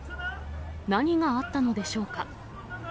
何があったのでしょうか。